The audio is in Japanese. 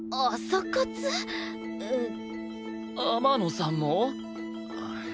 天野さんも？